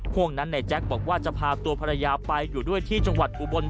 ห่วงนั้นในแจ๊คบอกว่าจะพาตัวภรรยาไปอยู่ด้วยที่จังหวัดอุบล